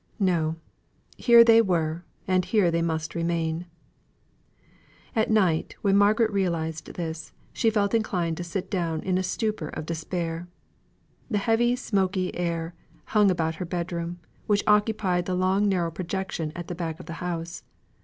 No! here they were, and here they must remain. At night when Margaret realised this, she felt inclined to sit down in a stupor of despair. The heavy smoky air hung about her bedroom, which occupied the long narrow projection at the back of the house.